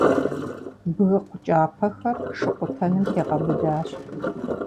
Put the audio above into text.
Бгыкъу кӀапэхэр шыкъуэтэным тегъэбыдащ.